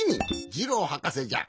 ジローはかせじゃ。